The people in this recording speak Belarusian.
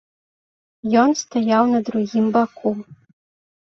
Ён стаяў на другім баку.